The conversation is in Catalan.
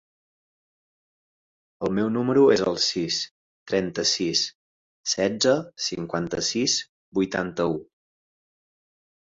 El meu número es el sis, trenta-sis, setze, cinquanta-sis, vuitanta-u.